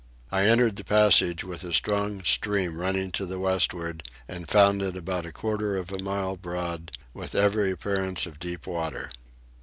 I entered the passage with a strong stream running to the westward and found it about a quarter of a mile broad, with every appearance of deep water.